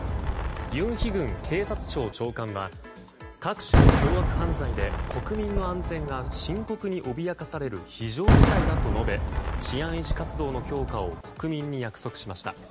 ユン・ヒグン警察庁長官は各種の凶悪犯罪で国民の安全が深刻に脅かされる非常事態だと述べ治安維持活動の強化を国民に約束しました。